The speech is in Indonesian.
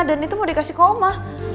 dan itu mau dikasih koma